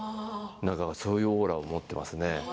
そういうオーラを持っていますね。